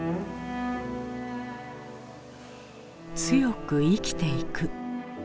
強く生きていく。